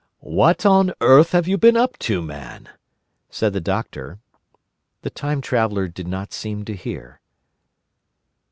"What on earth have you been up to, man?" said the Doctor. The Time Traveller did not seem to hear.